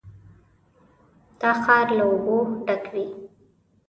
دا ښار له اوبو ډک دی.